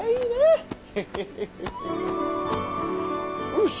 よし。